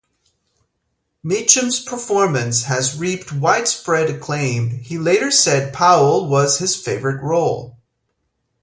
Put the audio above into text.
Mitchum's performance has reaped widespread acclaim; he later said Powell was his favorite role.